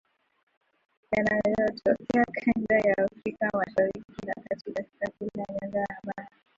yanayotokea kanda ya Afrika Mashariki na Kati, katika kila nyanja ya habari